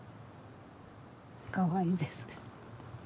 かわいいです。